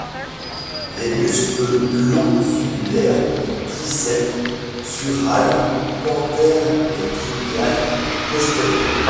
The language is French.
Les muscles long fibulaire, triceps sural, plantaire et tibial postérieur.